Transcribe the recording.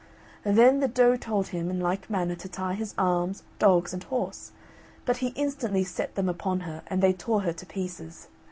Then the doe told him in like manner to tie his arms, dogs, and horse, but he instantly set them upon her and they tore her to pieces.